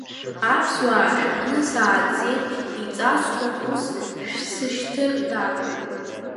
Аԥсуаа шәҟны сааӡеит, иҵасхәым ус шәсышьҭыр, даҳәеит.